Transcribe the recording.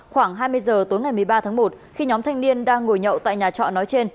khoảng hai mươi giờ tối ngày một mươi ba tháng một khi nhóm thanh niên đang ngồi nhậu tại nhà trọ nói trên